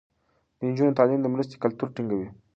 د نجونو تعليم د مرستې کلتور ټينګوي.